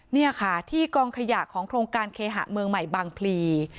นี่ค่ะที่กองขยะของโครงการเคหะเมืองใหม่บางพลี